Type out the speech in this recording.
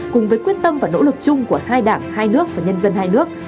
cùng với quyết tâm và nỗ lực chung của hai đảng hai nước và nhân dân hai nước